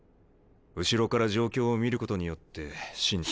後ろから状況を見ることによって真に。